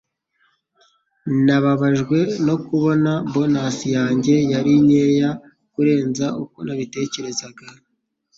Nababajwe no kubona bonus yanjye yari nkeya kurenza uko nabitekerezaga.